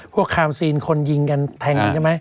คามซีนคนยิงกันแทงกันใช่ไหม